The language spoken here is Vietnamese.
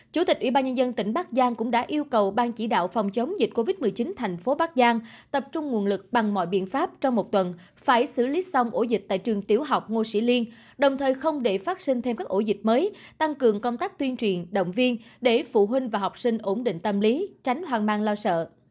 chủ tịch ubnd tỉnh bắc giang cũng đã yêu cầu ban chỉ đạo phòng chống dịch covid một mươi chín thành phố bắc giang tập trung nguồn lực bằng mọi biện pháp trong một tuần phải xử lý xong ổ dịch tại trường tiểu học ngô sĩ liên đồng thời không để phát sinh thêm các ổ dịch mới tăng cường công tác tuyên truyền động viên để phụ huynh và học sinh ổn định tâm lý tránh hoang mang lo sợ